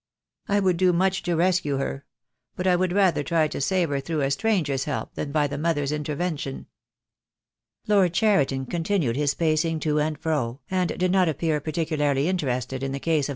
I would do much to rescue her— but I would rather try so save her through a stranger's help than by the mother's intervention." Lord Cheriton continued his pacing to and fro, and did not appear particularly interested in the case of 208 THE DAY WILL COME.